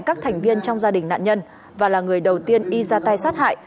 các thành viên trong gia đình nạn nhân và là người đầu tiên y ra tay sát hại